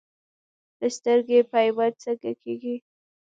د سترګې پیوند څنګه کیږي؟